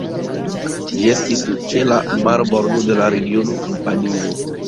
Ĝi estis ĉe la marbordo de la regiono Kampanio.